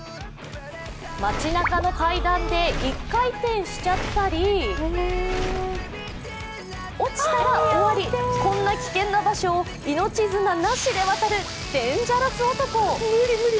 街なかの階段で１回転しちゃったり、落ちたら終わり、こんな危険な場所を命綱なしで渡るデンジャラス男。